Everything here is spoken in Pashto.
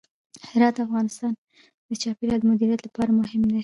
هرات د افغانستان د چاپیریال د مدیریت لپاره مهم دي.